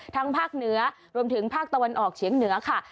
ภาคเหนือรวมถึงภาคตะวันออกเฉียงเหนือค่ะ